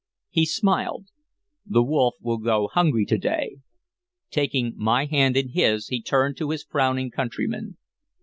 He smiled. "The wolf will go hungry to day." Taking my hand in his he turned to his frowning countrymen.